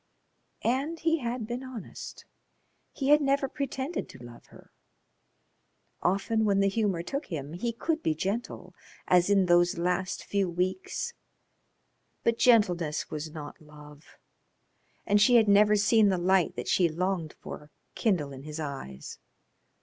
And he had been honest, he had never pretended to love her. Often when the humour took him he could be gentle, as in those last few weeks, but gentleness was not love, and she had never seen the light that she longed for kindle in his eyes.